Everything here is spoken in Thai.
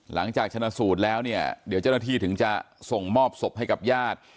หลังจากชนะสูตรแล้วเนี่ยเดี๋ยวเจ้าหน้าที่ถึงจะส่งมอบศพให้กับญาติ